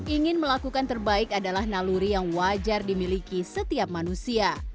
ingin melakukan terbaik adalah naluri yang wajar dimiliki setiap manusia